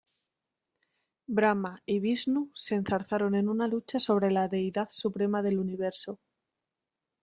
Brahma y Vishnu se enzarzaron en una lucha sobre la deidad suprema del universo.